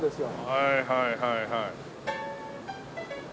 はいはいはいはい。